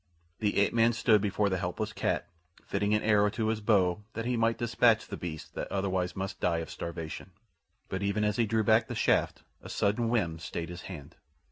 The ape man stood before the helpless cat fitting an arrow to his bow that he might dispatch the beast that otherwise must die of starvation; but even as he drew back the shaft a sudden whim stayed his hand.